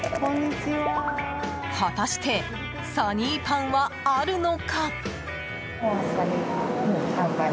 果たしてサニーパンはあるのか？